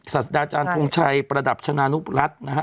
ศัษยาจารย์ทรงชัยประดับชนะนุปรัศน์นะฮะ